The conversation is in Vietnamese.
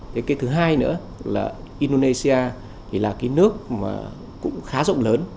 thế cái thứ hai nữa là indonesia thì là cái nước mà cũng khá rộng lớn